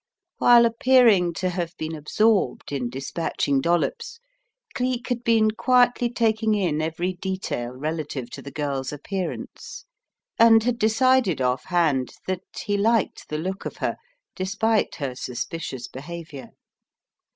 While appearing to have been absorbed in dispatching Dollops, Cleek had been quietly taking in every detail relative to the girl's appearance, and had decided off hand that he liked the look of her, despite her suspicions behaviour.